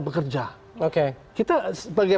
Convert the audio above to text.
bekerja kita sebagai